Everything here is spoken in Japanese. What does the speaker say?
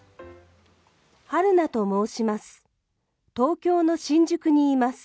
春奈と申します。